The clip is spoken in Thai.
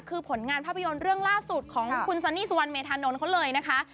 คือผลงานภาพยนตร์เรื่องล่าสุดของคุณซันนี่สุวรรณเมธานนท์เขาเลยนะคะ